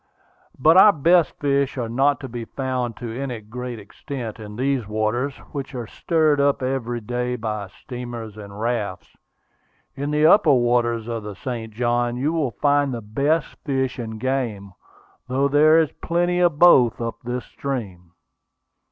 But our best fish are not to be found to any great extent in these waters, which are stirred up every day by steamers and rafts. In the upper waters of the St. Johns you will find the best fish and game, though there is plenty of both up this stream."